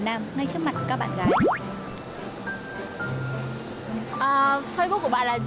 tại vì kiểu mình chắc là kiểu chỉ kết bạn